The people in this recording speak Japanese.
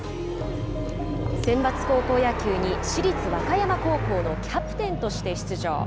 センバツ高校野球に市立和歌山高校のキャプテンとして出場。